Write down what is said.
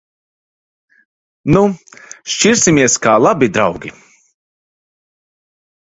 Nu! Šķirsimies kā labi draugi.